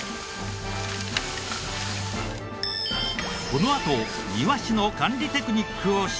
このあと庭師の管理テクニックを視察。